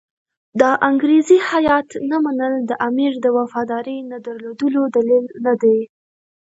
د انګریزي هیات نه منل د امیر د وفادارۍ نه درلودلو دلیل نه دی.